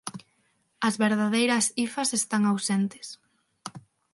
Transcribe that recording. As verdadeiras hifas están ausentes.